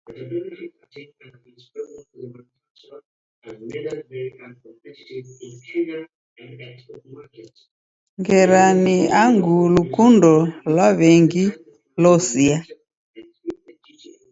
Ngera ni angu lukundo lwa w'engi losia.